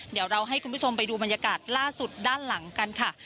เดี๋ยวเราให้คุณผู้ชมไปดูบรรยากาศล่าสุดด้านหลังกันค่ะ